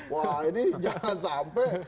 wah ini jangan sampai